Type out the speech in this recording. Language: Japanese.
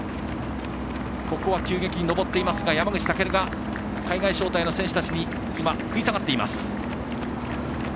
ここは急激に上っていますが山口武が海外招待の選手たちに食い下がっています。